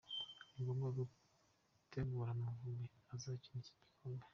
Ni ngombwa gutegura “Amavubi” yazakina iki gikombe.